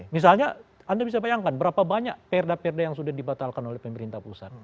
misalnya anda bisa bayangkan berapa banyak perda perda yang sudah dibatalkan oleh pemerintah pusat